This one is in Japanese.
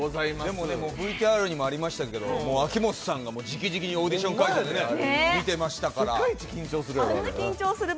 でもＶＴＲにもありましたけど秋元さんがじきじきにオーディション会場で世界一緊張する。